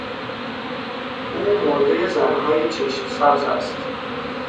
او مردهی زنهای چشم سبز است.